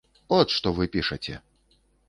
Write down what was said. От што вы пішаце.